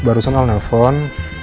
barusan al nelfon